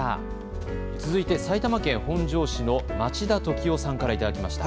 続いて、埼玉県本庄市の町田時男さんからいただきました。